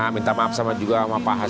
minta maaf sama juga sama pak hasto